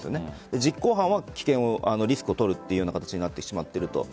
実行犯は危険リスクを取るという形になってしまっていると。